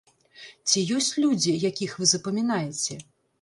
Ці ёсць людзі, якіх вы запамінаеце?